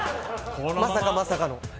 まさかまさかの。